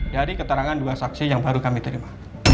dari keterangan dua saksi yang baru kami terima